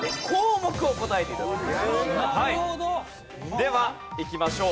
ではいきましょう。